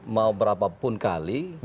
mau berapapun kali